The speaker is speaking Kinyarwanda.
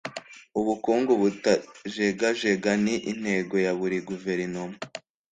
Ubukungu butajegajega ni intego ya buri guverinoma.